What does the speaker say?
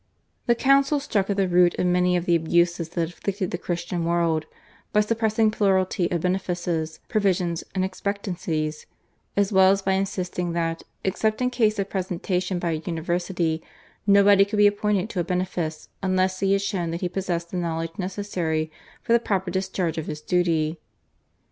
The council struck at the root of many of the abuses that afflicted the Christian world by suppressing plurality of benefices, provisions, and expectancies, as well as by insisting that, except in case of presentation by a university, nobody could be appointed to a benefice unless he had shown that he possessed the knowledge necessary for the proper discharge of his duty.